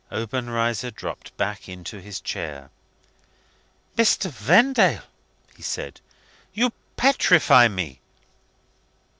Obenreizer dropped back into his chair. "Mr. Vendale," he said, "you petrify me."